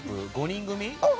５人組？